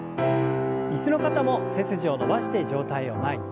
椅子の方も背筋を伸ばして上体を前に。